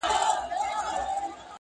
ووایه رویباره پیغامونو ته به څه وایو!!